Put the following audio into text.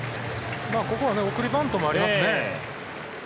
ここは送りバントもありますね。